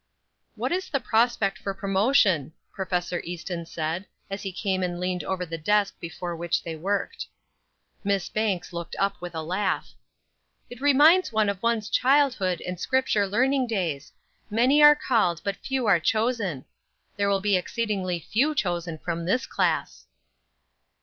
"What is the prospect for promotion?" Prof. Easton said, as he came and leaned over the desk before which they worked. Miss Banks looked up with a laugh. "It reminds one of one's childhood and Scripture learning days: 'Many are called, but few are chosen.' There will be exceedingly few chosen from this class."